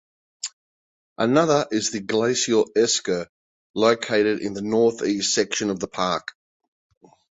Another is the glacial esker located in the northeast section of the park.